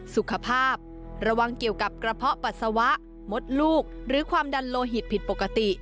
สุขภาพระวังเกี่ยวกับกระเพาะปัสสาวะมดลูกหรือความดันโลหิตผิดปกติ